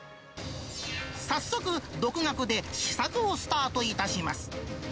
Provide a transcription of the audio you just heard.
早速、独学で試作をスタートいたします。